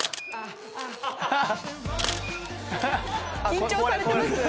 緊張されてます？